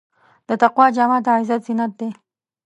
د تقوی جامه د عزت زینت دی.